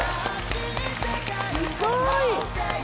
すごい！